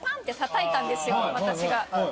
私が。